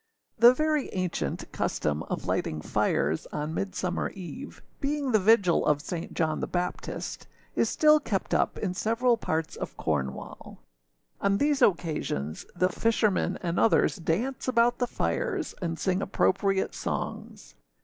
[THE very ancient custom of lighting fires on Midsummer eve, being the vigil of St. John the Baptist, is still kept up in several parts of Cornwall. On these occasions the fishermen and others dance about the fires, and sing appropriate songs.